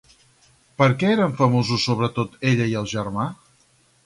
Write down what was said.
Per què eren famosos sobretot ella i el germà?